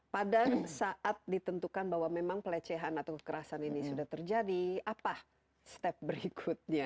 pada saat ditentukan bahwa memang pelecehan atau kekerasan ini sudah terjadi apa step berikutnya